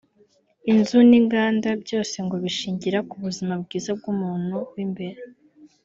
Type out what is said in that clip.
inzu n’inganda byose ngo bishingira ku buzima bwiza bw’umuntu w’imbere